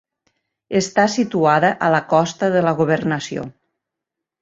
Està situada a la costa de la governació.